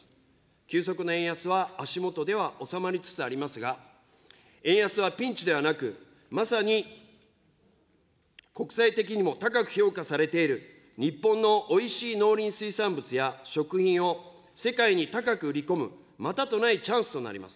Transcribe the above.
急速な円安は足下では収まりつつありますが、円安はピンチではなく、まさに国際的にも高く評されている日本のおいしい農林水産物や食品を世界に高く売り込むまたとないチャンスとなります。